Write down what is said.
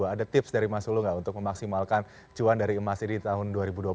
ada tips dari mas ulu nggak untuk memaksimalkan cuan dari emas ini di tahun dua ribu dua puluh